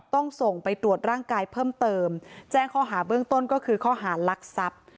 ต้องส่งไปตรวจร่างกายเพิ่มเติมแจ้งข้อหาเบื้องต้นก็คือข้อหารักทรัพย์